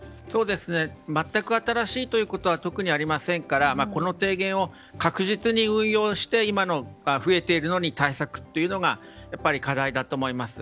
全く新しいということは特にありませんからこの提言を確実に運用して今の増えているのに対策が課題だと思います。